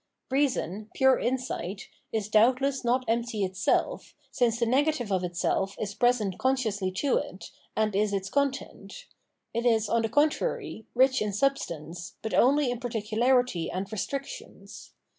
Eeason, pure insight, is doubt less not empty itself, since the negative of itseK is present consciously to it, and is its content ; it is, on the contrary, rich in substance, but pnly in particu larity and restrictions.